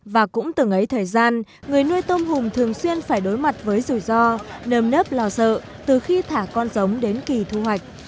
và cũng từ ngấy thời gian người nuôi tôm hùm thường xuyên phải đối mặt với rủi ro nơm nớp lào sợ từ khi thả con giống đến kỳ thu hoạch